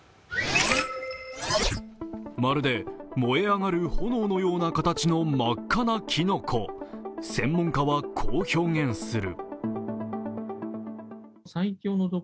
まるで燃え上がる炎のような形の真っ赤なきのこ専門家はこう表現する。